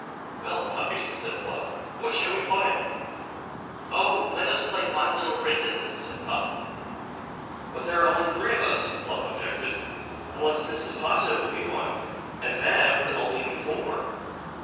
"Well, Puffy," said Fluff, "what shall we play?" "Oh! let us play 'Five Little Princesses'!" said Puff. "But there are only three of us!" Fluff objected. "Unless Mrs. Posset will be one, and that would only be four.